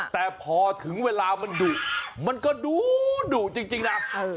แต่พอถึงเวลามันดุมันก็ดุดุจริงนะ